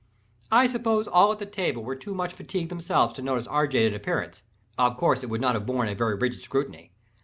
I suppose all at the table were too much fatigued themselves to notice our jaded appearance—of course, it would not have borne a very rigid scrutiny.